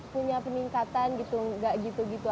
punya peningkatan gitu nggak gitu gitu